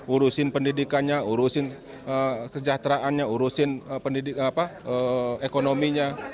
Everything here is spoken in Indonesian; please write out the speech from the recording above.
urusin pendidikannya urusin kesejahteraannya urusin ekonominya